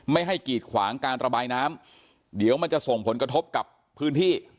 ไม่ให้กีดขวางการระบายน้ำเดี๋ยวมันจะส่งผลกระทบกับพื้นที่